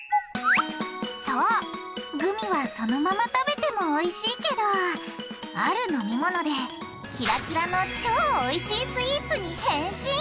そうグミはそのまま食べてもおいしいけどある飲み物でキラキラの超おいしいスイーツに変身！